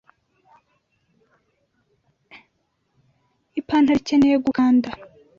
Ipantaro ikeneye gukanda.